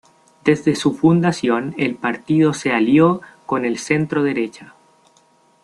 Desde su fundación, el partido se alió con el centro-derecha.